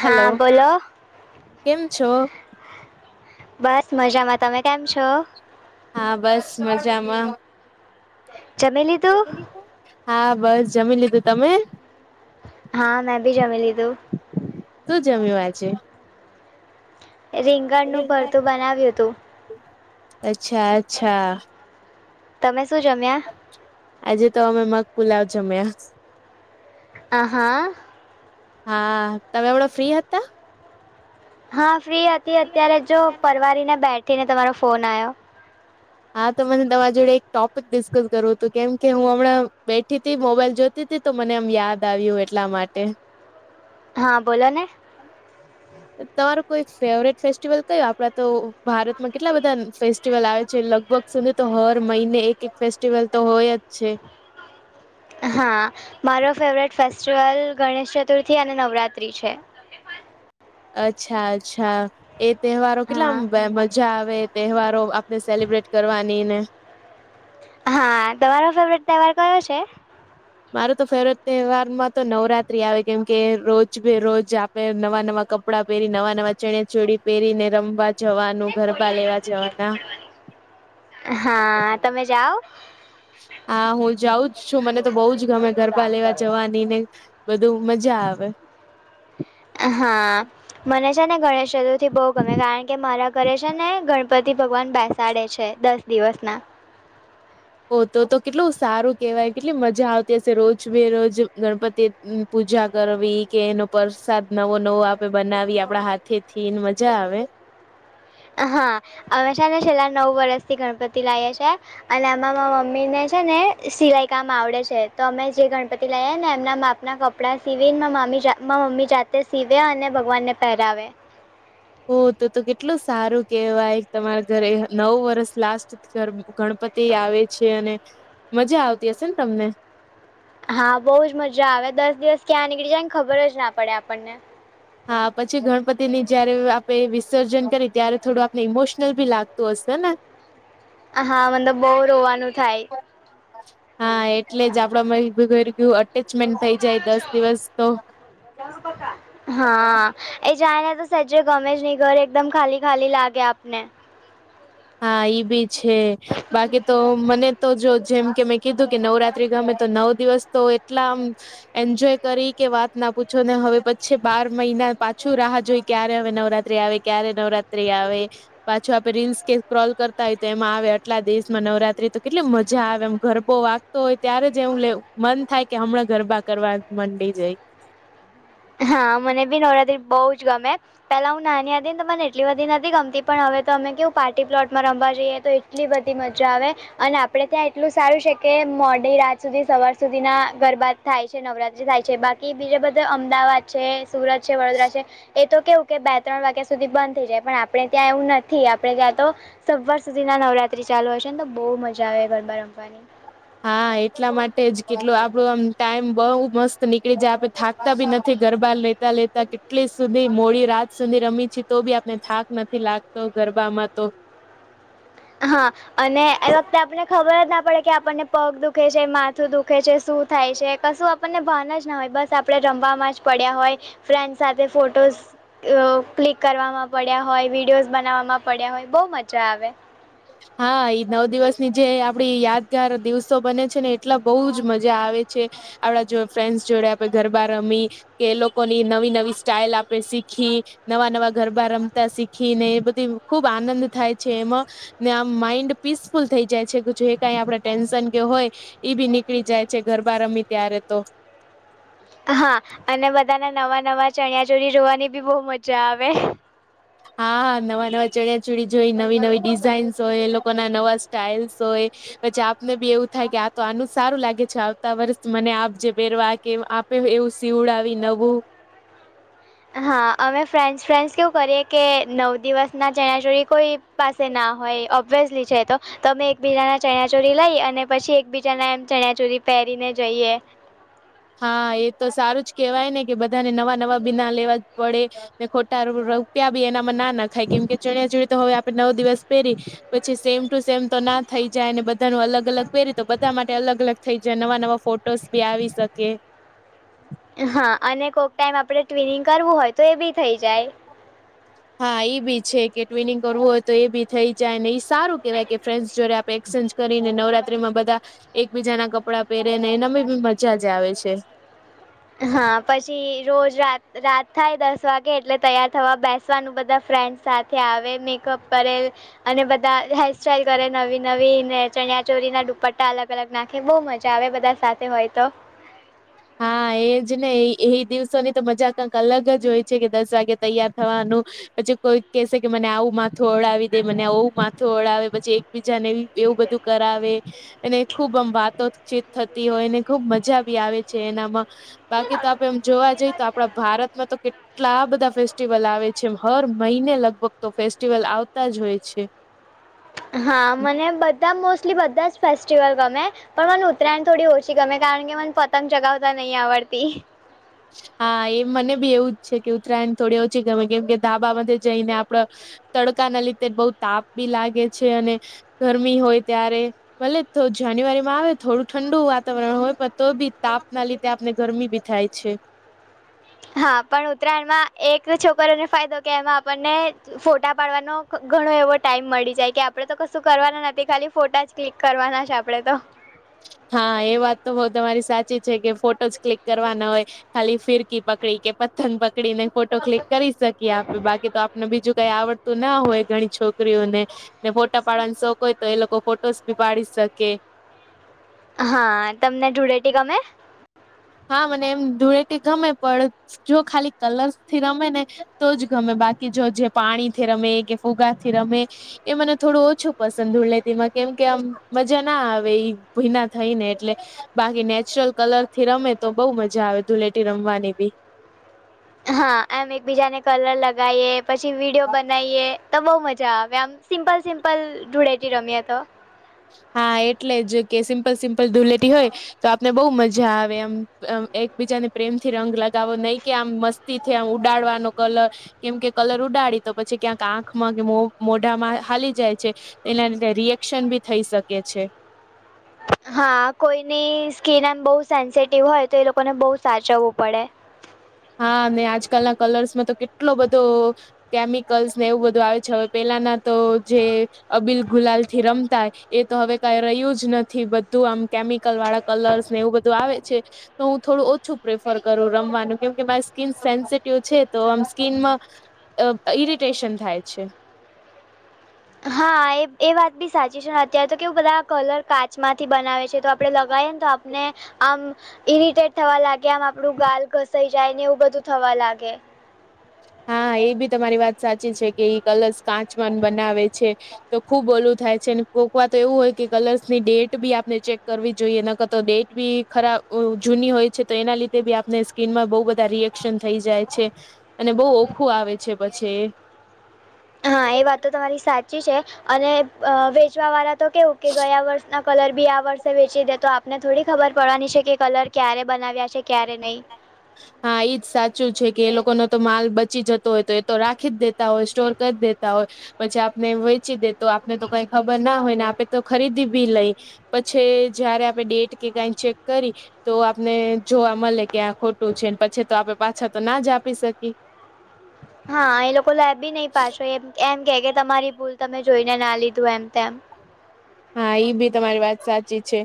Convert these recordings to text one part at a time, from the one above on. Hello હા કેમ છો. બસ મજામાં તમે કેમ છો. હા બસ મજામા જમી લીધું હા બસ જમી લીધું તમે હા મેં ભી જમીલી તુ શું જમ્યું વા છેે. રીંગણનુંું ભરતું બનાવ્યું હતુ અચ્છા અચ્છા તમે શું જમ્યા આજે તો અમે મગ પુલાવ જમ્યા આહા હા તમે એડો ફ્રી હતા. હા ફ્રી હતી અત્યારે જો પરવારીને બેઠીને તમારો ફોન આવ્યો હા તો મને તમારી જોડે એક ટોપિક ડિસ્કસ કરવુ હતુ, કેમ કે હું હમણાં બેઠી થી મોબાઈલ જો સ્ તો મને એમ યાદ આવ્યું એટલા માટે હા બોલો ને અને તમારું કોઈ ફેવરેટ ફેસ્ટિવલ કય આપડા તો ભારતમાં કેટલા બધા ફેસ્ટિવલ આવે છે, લગભગ સમનેે તો હર મહિને એક એક ફેસ્ટિવલ તો હોય જ, છે. હા મારો ફેવરેટ ફેસ્ટિવલ ગણેશ ચતુર્થી અને નવરાતિ છે. અચ્છા અચ્છા એ તહેવારો કેટલા હા મજા આવે એ તહેવારો ને સેલિબ્રેટ કરવાની ને હા તમારો ફેવરેટ તહેવાર કયો છે. મારો તો ફેવરટ તહેવારમાં તો નવરાત્રી આવે કેમ કે રોજ બે રોજ નવા નવા કપડા પહેરી નવા નવા ચણે ચોડી પહેરીને રમવા જવાનું ગરબા લેવા જવાના હા તમે જાઓ. હા હુ જાઉ જ છુ, મને તો બહ જ ગમે ગરબા લેવા જવાની ને બધું મજા આવે હા મને છે ને ગણેશ ચતુર્થી બહુ ગમે કારણ કે મારા ઘરે છે ને ગણપતિ ભગવાન બેસાડે છે, દસ દિવસ ના ઓ તો તો કેટલું સારું કેહેવાય કેટલી મજા આવતી હશે, રોજ બેરોજ ગણપતિ પૂજા કરવી કે એનો પ્રસાદ નવો નવો આપે બનાવી આપડા હાથે થી ને મજા આવે હા હંમેશા ને છેલ્લા નવ વર્ષથી ગણપતિ લાવએ છે. અને આમાં મમ્મી ને છેને, સિલાઈ કામ આવડે છે તો અમે જે ગણપતિ લઈ ને એમના માપ ના કપ કપડાં સીવીને મામી મા મમ્મી જાતે સીવે અને ભગવાનને પહેરાવે હો તો તો કેટલું સારુ કેહેવાય તમારા ઘરે નવ વરષ લાસ્ટ ગણ પતિ આવે છે, અને મજા આવતી હશે ને તમને હા, બહુ જ મજા આવે દસ દિવસ ક્યાં નીકળી જાયને ખબર જ ના પડે આપણને હા પછી ગણપતિ ની જયારે આપે વિસર્જન કરી ત્યારે થોડુ, આપને ઈમોશનલ ભી લાગતું હશે ને. હા મતલબ બહ રોવાનું થાય. હા એટલે જ આપડા મ ગય એટેચમેન્ટ થઈ જાય દસ દિવસ તો હા એ જાય ને તો સજે ગમે નહી, ઘર એકદમ ખાલી ખાલી લાગે આપને હા ઈ બી છે બાકી તો મને તો જો જેમ કે મેં કીધું કે નવરાત્રી ગમે તો નવ દિવસ તો એટલામ એન્જોય કરી કે વાત ના પૂછો ને હવે પછી બાર મહિના પાછું રાહ જોઈ ક્યારે હવે નવરાત્રી આવે ક્યારે નવરાત્રી આવે પાછું આપે રીલ્સ કે સ્્રોલ કરતા હોય તો એમ આવે આટલા દિવસ માં નવરાત્રી તો કેટલી મજા આવે એમ ગરબો વા તોય ત્યારે જ એવું લેવ મન થાય કે હમણાં ગરબા કરવા મંડી જાય હા મને બી નવરાત્રી બઉ જ ગમે પેલા હું નાની આ હતી ને તો મને એટલી બધ નથી ગમતી પણ હવે તો અમે કેવું પાર્ટી પ્લોટમાં રમવા જઈએ તો એટલી બધી મજા આવે અને આપડણે ત્યાં એટલું સારું છે કે મોડી રાત સુધી સવાર સુધી ના ગરબાત થાય છે નવરાત્રી થાય છે બાકી બીજા બધા અમદાવાદ છે સુરત છે વડોદરા છે એ તો કેવું કે બે ત્રણ વાગ્યા સુધી બંધ થઈ જાય પણ આપણે ત્યાં એવું નથી આપણે ત્યાં તો સવાર સુધી ના નવરાત્રી ચાલુ હશે ને તો બહુ મજા આવે ગરબા રમવાની હા એટલા માટે જ કેટલું આપડો આમ ટાઈમ બઉુ મસ્ત નીકળી જાય આપે થાકતા બી નથી ગરબાર લે લેતા કેટલી સુધી મોડી રાત સુધી રમી છે તો બી આપને થાક નથી લાગતો ગરબામાં તો હા અને એ વખતે આપને ખબર જ ના પડે કે આપણને પગ દુખે છે માથું દુખે છે શું થાય છે કશું આપણને ભાન જ ના હોય બસ આપડણે રમવામાં જ પડ્યા હોય ફ્રેન્ડ સાથે ફોટોસ ક્લિક કરવામાં પડ્યા હોય વિડીયોઝ બનાવવામાં પડ્યા હોય બહુ મજા આવે હા નવ દિવસની જે આપડી યાદગાર દિવસો બને છે ને એટલા બહુજ મજા આવે છે આપડા જો ફ્રેન્ડસ જોડે આપે ઘર બાર રમી કે એ લોકોની નવી નવી સ્ટાઈલ આપણે શીખી નવા નવા ગરબા રમતા શીખી ને એ બધી ખુબ આનંદ થાય છે એમાં ને આમ માઈન્ડ પીસફુલ થઈ જાય છે કે જે કાઈ આપણે ટેન્શન કે હોય ઈ ભી નીકળી જાય છે ગરબા રમી ત્યારે તો હા અને બધાના નવા નવા ચણિયા ચોરી જોવાની બી બહુ મજા આવે હા નવા નવા ચણિયા ચૂડીી જોઈ નવી નવી ડિઝાઇન્સ હોય એ લોકો ના નવા સ્ટાઈઇલ્સ હોય પછી આપને બી એવું થાય કે આ તો આનું સારું લાગે છે આવતા વર્ષ મને આપ જે વરવા કે એવું સીવડ આવી નવું હા અમે ફ્રેન્ડસ ફ્રેન્ડસ કેવું કરીએ કે નવ દિવસ ના જણા જોોડી કોઈ પાસે ના હોય ઓબ્વિયસલી છે તો તો અમે એકબીજાના ચણાચોરી લઈ અને પછી એકબીજાના એમ ચણાચોરી પહેરીને જઈએ હા એ તો સારું જ કેહેવાય ને કે બધાને નવા નવા બિના લેવા પડે ને ખોટા રૂપિયા બી એનામાં ના નાખાય કેમ કે ચણિયા ચીળ તો હવે આપડે નવ દિવસ પહેરી પછી સેમ ટુ સેમ તો ના થઈ જાય અને બધાનું અલગ અલગ ે તો બધા માટે અલગ અલગ થઈ જાય નવા નવા ફોટોસ બી આવી શકે હા અને કોક ટાઈમ આપણે ટ્વિનિંગ કરવું હોય તો એ બી થઈ જાય હા એ બી છે કે ટ્વનિંગ કરવું હોય તો એ બી થઈ જાય ને એ સારું કેહેવાય કે ફ્રેન્્સ જોડે આપે એક્સચેન્જ કરીને નવરાત્રી માં બધા એકબીજા ના કપડા પહેરે ને એનામાં બી મજા જ આવે છે હા પછી રોજ રા રાત થાય દસ વાગે એટલે તૈયાર થવા બેસ વાનું બધા ફ્રેન્ડસ સાથે આવે મેકઅપ કરે અને બધા હેરસ્ટાઈલ કરે નવી નવી ને ચણિયાચોરી ના દુપટ્ટા અલગ અલગ નાખે બહુ મજા આવે બધા સાથે હોય તો હા એજ ને એ દિવસોની તો મજા કંક અલગ જ હોય છે કે દસ વાગે તૈયાર થવાનું પછી કોઈ કેહે કે મને આવું માથું ઓડાવી દે મને આવું માથું ઓડાવે પછી એકબીજા ને એવું બધું કરાવે અને ખુબ આમ વાતોચીત થતી હોય ખુબ મજા ભી આવે છે એનામાં બાકી તો આપણે એમ જોવા જઈએ તો આપણા ભારતમાં તો કેટલા એટલા બધા ફેસ્ટિવલ આવે છે એ હર મહિને લગભગ તો ફેસ્ટિવલ આવતા જ હોય છે હા મને બધા મોસ્ટલી બધા જ ફેસ્ટિવલ ગમે પણ મને ઉત્તરાયણ થોડી ઓછી ગમે કારણ કે મને પતંગ ચગાવતા નહી આવડતી હા એમ મને બી એવું જ છે કે ઉત્તરાયણ થોડી ઓછી ગમે કેમ કે ધાબામાં જઈને આપણે તડકા ના લીધે બહુ તાપ બી લાગે છે અને ગરમી હોય ત્યારે ભલે તો જાન્યુઆરીમાં આવે થોડું ઠંડુ વાતાવરણ હોય પણ તો બી તાપના લી ધે આપને ગરમી બી થાય છે હા પણ ઉત્તરાયણમાં એક છોકરોને ફાયદો કે એમાં આપણને ફોટા પાડવાનો ઘણો એવો ટાઈમ મળી જાય કે આપડે તો કશું કરવાના નથી ખાલી ફોટા જ કલિક કરવાના છે આપડે તો હા એ વાત તો બઉ તમારી સાચી છે કે ફોટો ક્લિક કરવાના હોય ખાલી ફિરકી પકડી કે પ્થંગ પકડીને ફોટો ક્લિક કરી શકીએ કી આપે બાકી તો આપને બીજું કઈ આવડતું ના હોય ઘણી છોકરીઓને ને ફોટા પાડવાનો શોખ હોય તો એ લોકો ફોટોસ ભી પાડી શકે હા તમને ધૂળેટી ગમે? હા મને એમ ધૂળેથી ગમે પડ જો ખાલી કલર્સ થી રમે ને તો જ ગમે બાકી જો જે પાણી થી રમે એ કે ઉગૃથી રમે એ મને થોડું ઓછું પસંદ ધૂલેેતીમાં કેમ કે આમ મજા ના આવે એ ભીના થઈ ને એટલે બાકી નેચરલ કલર થી રમે તો બઉુ મજા આવે ધુલેટી રમવાની બી હા એમ એકબીજાને કલર લગીએ પછી વિડીયો બનાવીએ તો બહુ મજા આવે આમ સિમ્પલ સિમ્પલ ધૂળેટી રમીએ તો હા એટલે જ કે સિમ્પલ સિમ્પલ ધુલેટી હોય ને તો આપને બહુ મજા આવે એમ એકબીજાને પ્રેમથી રંગ લગાવો નહી કે આમ મસ્ત થી આમ ઉડાડવાનો કલર કેમ કે કલર ઉડાડી તો પછી ક્યાંક આંખમાં કે મોઢામાં હાલી જાય છે એના લીધે રિએક્શન ભી થઈ શકે છે હા કોઈની સ્કીિન આમ બહુ સેન્સિટિવ હોય તો એ લોકોને બહુ સાચવવું પડે હા આજકાલના કલર્સમાં તો કેટલો બધો કેમિકલ્સ ને એવું બધું આવે છે હવે પેલાના તો જે અબીલ ગુલાલ થી રમતા એ તો હવે કઈ રહ્યું જ નથી બધું આમ કેમિકલ વાળા કલર્સ ને એવું બધું આવે છે તો હું થોડું ઓછું પ્રેફર કરું રમવાનું કેમ કે મારી સ્કીન સેન્સિટિવ છે તો આમ સ્કીનમાં ઈરિટેશન થાય છે હા એ એ વાત બી સાચી છે ને અત્યારે તો કેવું બધા કલર કાચમાંથી બનાવે છે તો કપડે લગાવએ ને તો આપને આમ [unintelligible] ઈરિટેટ થવા લાગે આમ આપણું ગાલ ઘસાઈ જાય ને એવું બધું થવા લાગે હા એ બી તમારી વાત સાચી છે કે એ કલર્સ કાચ માંથી બનાવે છે. તો ખુબ ઓલું થાય છે કોકવાર તો એવું હોય કે કલર્સ ની ડેટ બી આપણે ચેક કરવી જોઈએ ન કરતો ડેટ બી ખરાબ જૂની હોય છે તો એના લીધે બી આપને સ્કીિનમાં બહુ બધા રિએક્શન થઈ જાય છે અને બહુ ઓખું આવે છે પછી હા એ વાત તો તમારી સાચી છે અને વેચવા વાળા તો કેવું કે ગયા વર્ષના કલર બી આ વર્ષે વેચી દે તો આપને થોડી ખબર પડવાની છે કે કલર ક્યારે બનાવ્યા છે ક્યારે નહીં હા એજ સાચું છે કે એ લોકો ન તો માલ બચી જતો હોય તો એ તો રાખી જ દેતા હોય સ્ટોર કરી દેતા હોય પછી આપને વેચી દે તો આપને તો કઈ ખબર ના હોય ને આપણે તો ખરીદી ભી લઈ પછી જયારે આપણે ડેટ કે કઈ ચેક કરી તો આપને જોવા મળે કે આ ખોટ છે ને પછી તો આપે પાછા તો ના જ આપી શકીએ. હા એ લોકો લેબી નહી પાછો એમ એમ કે કે તમારી ભૂલ તમે જોઈને ના લીધું એમ તેમ હા ભી તમારી વાત સાચી છે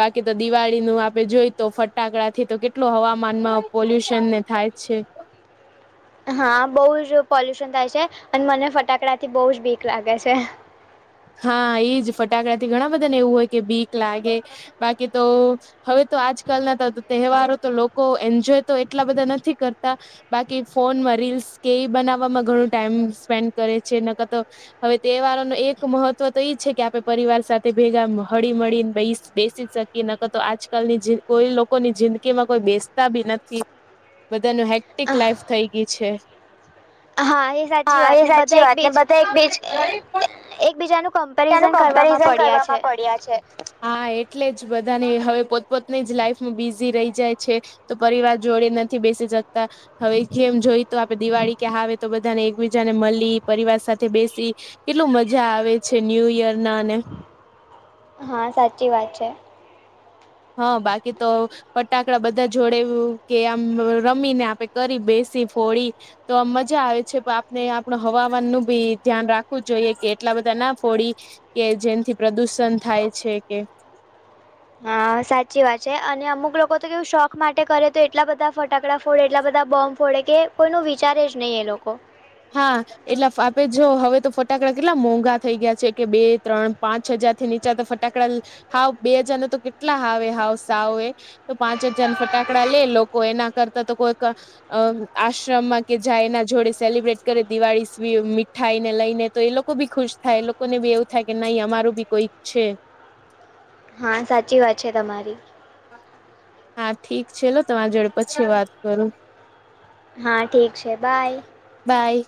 બાકી તો દિવાળી નું આપે જોઈ તો ફટાકડા થી તો કેટલું હવામાનમાં પોલ્યુશનને થાય અ્ છે હા બહુ જ પોલ્યુશન થાય છે અને મને ફટાકડા થી બહુ જ ભીક લાગે છે હા એજ ફટાકડાથી ઘણા બધા ને એવું હોય કે બીક લાગે બાકી તો હવે તો આજકાલના તહેવારો તો લોકો એન્જોય તો એટલા બધા નથી કરતા બાકી ફોનમાં રીલ્સ કે ઈ બનાવવામાં ઘણું ટાઈમ સ્પેન્ડ કરે છે ન ક રતો હવે તે વાળો ન એ મહત્વ તો એ છે કે આપણે પરિવાર સાથે ભેગા હળી મળીને બે બેસી શકીએ નક તો આજકાલની જે કોઈ લોકોની જિંદગી માં કોઈ બેસતા બી નથી બધાનું હેક્ટિક લાઈફ થઈ ગઈ છે હા એ સાચી હા વાત એ ને બધા સાચી વાત ને એકબીજ બધા એક બેીજ એકબીજાનું કં તેનું કમ્પેરિઝન કરવામાં પડ્યા છે હા એટલે જ બધાને હવે પોતપોતની જ લાઈફમાં બિઝી રહી જાય છે તો પરિવાર જોડે નથી બેસી શકતા હવે જેમ જોઈ તો આપડે દિવાળી કે હ આવે તો બધાને એકબીજા ને મળી પરિવાર સાથે બેસી કેટલું મજા આવે છે ન્યુ યર ના અને હા સાચી વાત છે હા બાકી તો ફટાકડા બધા જોડે કે આમ રમીને આપે કરી બેસી ફોડી [unintelligible] તો આ મજા આવે છે પણ આપને આપણ હવામાન નું બી ધ્યાન રાખવું જ જોઈએ કે એટલા બધા ના ફોડી કે જેન થી પ્રદુષણ થાય છે કે અ સાચી વાત છે અને અમુક લોકો તો કેવું શોખ માટે કરે તો એટલા બધા ફટાકડા ફોડે એટલા બધા બોમ્બ ફોડે કે કોઈનું વિચારે જ નહીં એ લોકો હા એટલે આપે જો હવે તો ફટાકડા કેટલા મોંઘા થઈ ગયા છે કે બે ત્રણ પાંચ હજાર થી નીચા તો ટાકડા હાવ બે હજાર ન તો કેટલા હાવે હાવ સાવ એ તો પાંચ હજાર ફટાકડા લે લોકો એના કરતા તો કોઈક અ આશ્રમમાં કે જાય એના જોડે સેલિબ્રેટ ે દિવાળી મીઠાઈ ને લઈને તો એ લોકો બી ખુશ થાય એ લોકો ને બી એવું થાય કે નઈ અરું બી કોઈ છે હા સાચી વાત છે તમારી હા ઠીક છેલો તમારી જોડે પછી વાત કરું હા ઠીક છે બાય બાય